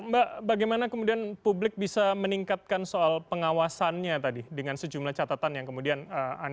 mbak bagaimana kemudian publik bisa meningkatkan soal pengawasannya tadi dengan sejumlah catatan yang kemudian anda